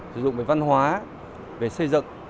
sử dụng về văn hóa về xây dựng